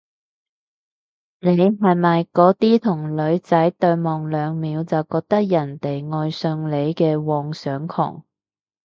你係咪嗰啲同女仔對望兩秒就覺得人哋愛上你嘅妄想狂？